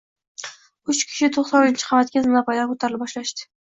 Uch kishi toʻqsoninchi qavatga zinapoyadan koʻtarila boshlashdi.